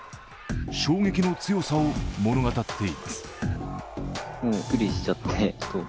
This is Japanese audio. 衝撃の強さを物語っています。